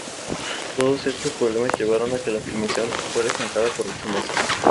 Todos estos problemas llevaron a que la filmación fuera estancada por ocho meses.